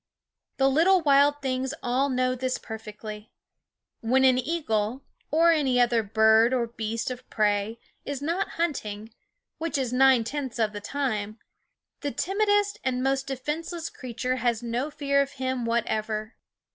The little wild things all know this per fectly. When an eagle, or any other bird or beast of prey, is not hunting which is nine tenths of the time the timidest and most defenseless creature has no fear of him whatever.